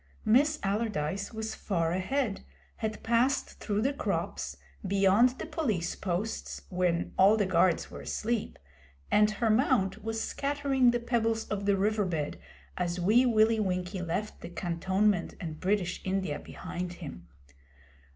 Miss Allardyce was far ahead, had passed through the crops, beyond the Police posts, when all the guards were asleep, and her mount was scattering the pebbles of the river bed as Wee Willie Winkie left the cantonment and British India behind him.